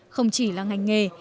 không chỉ là ngành nghề